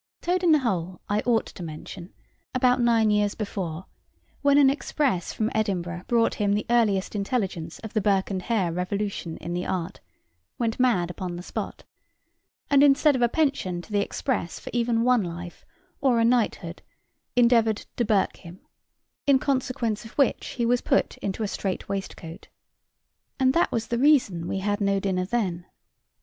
Toad in the hole, I ought to mention, about nine years before, when an express from Edinburgh brought him the earliest intelligence of the Burke and Hare revolution in the art, went mad upon the spot; and, instead of a pension to the express for even one life, or a knighthood, endeavored to burke him; in consequence of which he was put into a strait waistcoat. And that was the reason we had no dinner then.